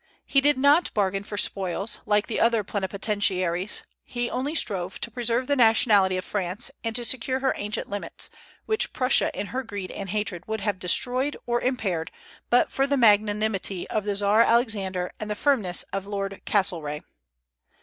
He did not bargain for spoils, like the other plenipotentiaries; he only strove to preserve the nationality of France, and to secure her ancient limits, which Prussia in her greed and hatred would have destroyed or impaired but for the magnanimity of the Czar Alexander and the firmness of Lord Castlereagh.